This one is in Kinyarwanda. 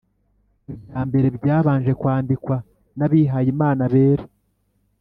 ibya mbere byabanje kwandikwa n’abihayimana bera,